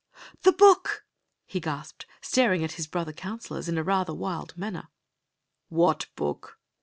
"The book!" he gasped, staring at his brother counselors in a rather wild manner. "What book?"